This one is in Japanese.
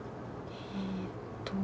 えっと